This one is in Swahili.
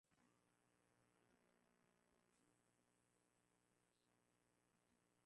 imeubeza uamuzi wa lauren bagbo